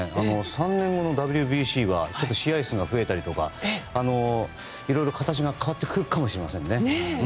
３年後のＷＢＣは試合数が増えたりとか、いろいろ形が変わるかもしれません。